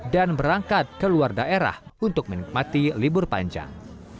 dan berangkat ke luar daerah untuk menikmati libur panjang